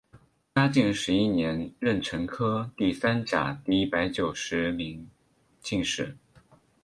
嘉靖十一年壬辰科第三甲第一百九十名进士。